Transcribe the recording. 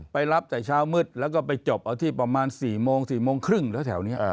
รับแต่เช้ามืดแล้วก็ไปจบเอาที่ประมาณ๔โมง๔โมงครึ่งแล้วแถวนี้